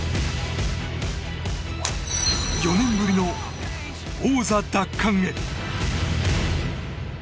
４年ぶりの王座奪還へ。